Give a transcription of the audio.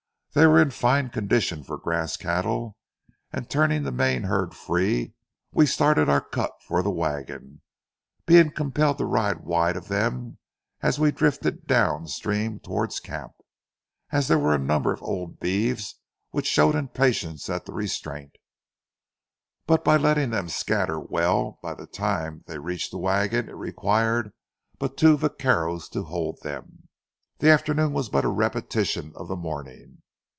They were in fine condition for grass cattle, and, turning the main herd free, we started our cut for the wagon, being compelled to ride wide of them as we drifted down stream towards camp, as there were a number of old beeves which showed impatience at the restraint. But by letting them scatter well, by the time they reached the wagon it required but two vaqueros to hold them. The afternoon was but a repetition of the morning.